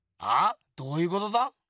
あ？どういうことだ？